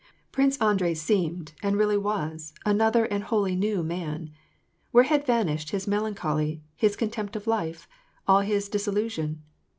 Prince Andrei seemed, and really was, another and wholly new man. Where had vanished his melancholy, his contempt of life, all his disillusion